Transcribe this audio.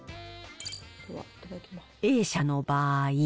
Ａ社の場合。